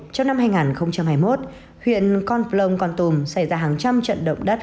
trong năm hai nghìn hai mươi một huyện con plong con tum xảy ra hàng trăm trận động đất